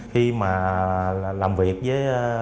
khi mà làm việc với